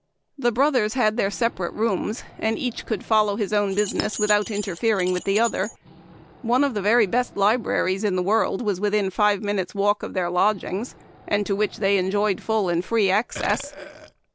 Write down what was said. The brothers had their separate rooms, and each could follow his own business without interfering with the other, one of the very best libraries in the world was within five minutes' walk of their lodgings, and to which they enjoyed full and free access.